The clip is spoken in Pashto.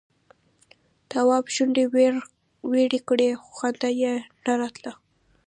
تواب شونډې ويړې کړې خو خندا یې نه راتله.